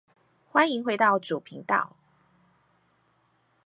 歡迎回到主頻道